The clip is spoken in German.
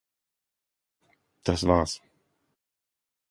Das war's.